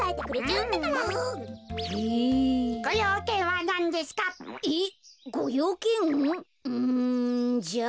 うんじゃあ。